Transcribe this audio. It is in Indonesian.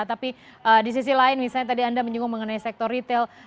tapi di sisi lain misalnya tadi anda menyinggung mengenai sektor retail